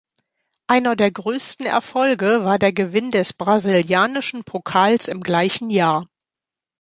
Einer der größten Erfolge war der Gewinn des brasilianischen Pokals im gleichen Jahr.